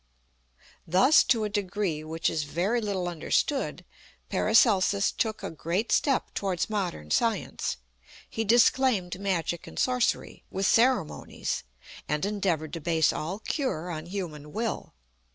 Thus, to a degree which is very little understood, PARACELSUS took a great step towards modern science. He disclaimed Magic and Sorcery, with ceremonies, and endeavored to base all cure on human will.